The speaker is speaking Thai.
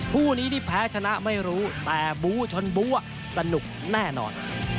คู่นี้ที่แพ้ชนะไม่รู้แต่บูชนบูสนุกแน่นอน